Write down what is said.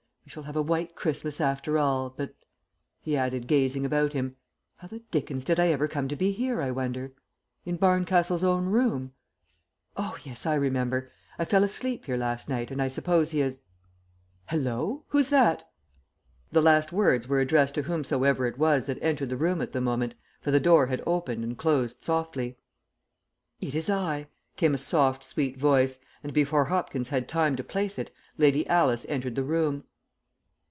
"We shall have a white Christmas after all, but," he added, gazing about him, "how the dickens did I ever come to be here, I wonder? In Barncastle's own room oh, yes, I remember. I fell asleep here last night and I suppose he has Hello! Who's that?" The last words were addressed to whomsoever it was that entered the room at the moment, for the door had opened and closed softly. "It is I," came a soft, sweet voice, and before Hopkins had time to place it, Lady Alice entered the room.